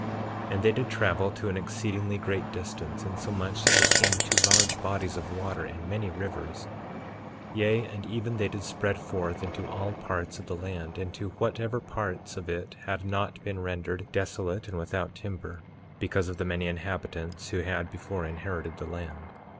3:4 And they did travel to an exceedingly great distance, insomuch that they came to large bodies of water and many rivers. 3:5 Yea, and even they did spread forth into all parts of the land, into whatever parts it had not been rendered desolate and without timber, because of the many inhabitants who had before inherited the land.